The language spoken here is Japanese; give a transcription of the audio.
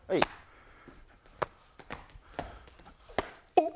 おっ！